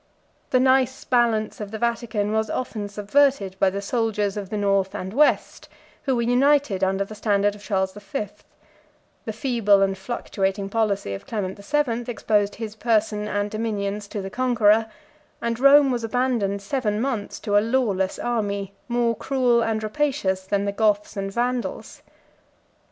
The nice balance of the Vatican was often subverted by the soldiers of the North and West, who were united under the standard of Charles the Fifth: the feeble and fluctuating policy of Clement the Seventh exposed his person and dominions to the conqueror; and Rome was abandoned seven months to a lawless army, more cruel and rapacious than the Goths and Vandals.